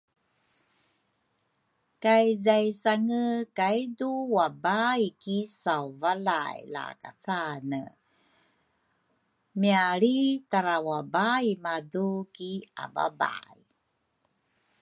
kay zaisange kaidu wabaai ki sauvalay lakasane, mialri tara wabaai madu ki ababay.